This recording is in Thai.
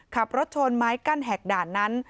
ขับรถชนไม้กั้นแหกด่านนั้น